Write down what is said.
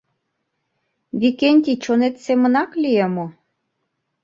Викентий чонет семынак лие мо?